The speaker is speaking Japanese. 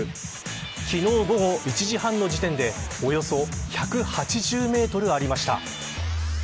昨日、午後１時半の時点でおよそ１８０メートルありました。